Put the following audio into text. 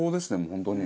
本当に。